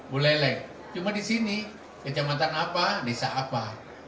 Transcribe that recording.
buleleng cuma disini kecamatan apa desa apa